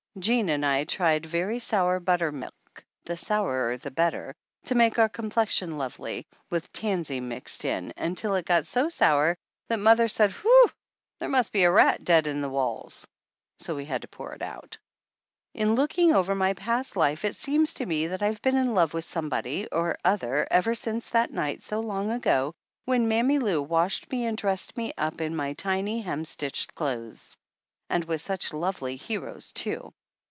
Jean and I tried very sour buttermilk (the sourer the better) to make our complexion lovely, with tansy mixed in, until it got so sour 227 THE ANNALS OF ANN that mother said, "Whew ! There must be a rat dead in the walls !" So we had to pour it out. In looking over my past life it seems to me that I've been in love with somebody or other ever since that night so long ago, when Mammy Lou washed me and dressed me up in my tiny hemstitched clothes. And with such lovely heroes, too!